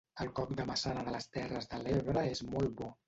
El coc de maçana de les terres de l'Ebre és molt bo